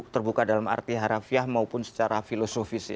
terbuka dalam arti harafiah maupun secara filosofis